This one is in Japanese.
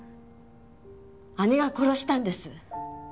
姉が殺したんです。